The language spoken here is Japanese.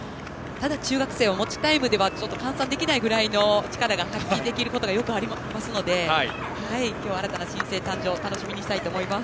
ただ、中学生は持ちタイムでは換算できないくらいの力が発揮できることがよくありますので今日新たな新星誕生楽しみにしたいと思います。